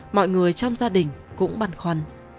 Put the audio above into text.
mọi người trong gia đình cũng băn khoăn